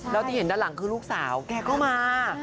แล้วที่เห็นด้านหลังคือลูกสาวแกก็มา